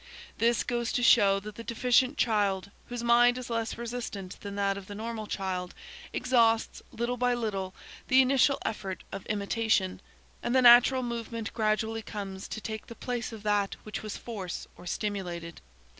This goes to show that the deficient child, whose mind is less resistant than that of the normal child, exhausts, little by little, the initial effort of imitation, and the natural movement gradually comes to take the place of that which was forced or stimulated.